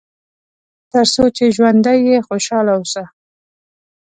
تر څو چې ژوندی یې خوشاله اوسه.